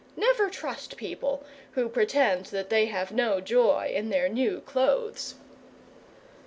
Never trust people who pretend that they have no joy in their new clothes.